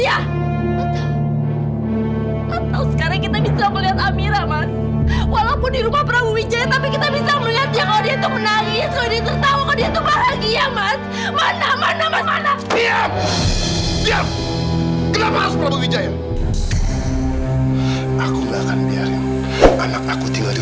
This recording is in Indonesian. aku gak peduli sama keselamatan aku tari